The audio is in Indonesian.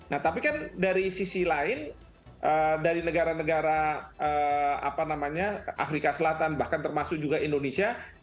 nah tapi kan dari sisi lain dari negara negara afrika selatan bahkan termasuk juga indonesia